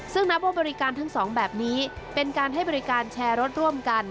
ซึ่งนับว่าบริการทั้งสองแบบนี้เป็นการให้บริการแชร์รถร่วมกัน